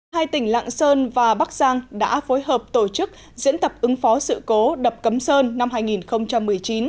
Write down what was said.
hai tỉnh lạng sơn và bắc giang đã phối hợp tổ chức diễn tập ứng phó sự cố đập cấm sơn năm hai nghìn một mươi chín